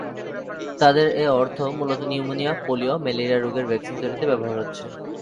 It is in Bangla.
তাদের এ অর্থ মূলত নিউমোনিয়া, পোলিও, ম্যালেরিয়া রোগের ভ্যাকসিন তৈরিতে ব্যবহৃত হচ্ছে।